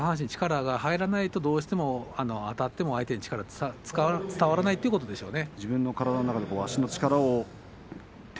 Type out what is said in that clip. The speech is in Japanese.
下半身に力が入らないとどうしても相手に力が伝わらないということでしょうね。